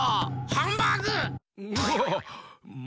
ハンバーグ！